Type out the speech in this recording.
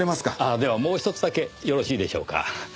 あっではもうひとつだけよろしいでしょうか？